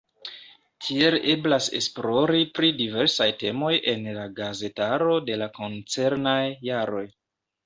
Tiel eblas esplori pri diversaj temoj en la gazetaro de la koncernaj jaroj.